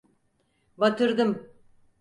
Batırdım.